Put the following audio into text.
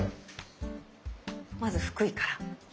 まず福井から。